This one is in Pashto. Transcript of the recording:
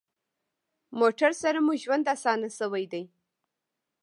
موټر سره مو ژوند اسانه شوی دی.